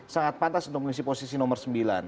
sangat pantas untuk mengisi posisi nomor sembilan